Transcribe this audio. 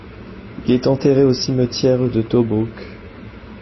Il est enterré au cimetière de Tobrouk.